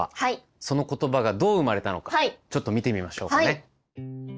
その言葉がどう生まれたのかちょっと見てみましょうかね。